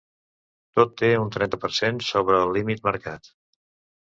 Tot té un trenta per cent sobre el límit marcat.